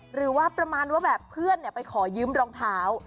หรือว่าประมาณว่าแบบเพื่อนไปขอยืมรองเท้า